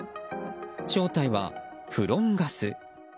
正体は、フロンガス。